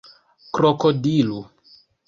krokodilu